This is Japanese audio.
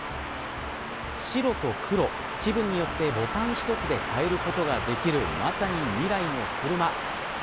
白と黒気分によってボタン１つで変えることができるまさに未来のクルマ。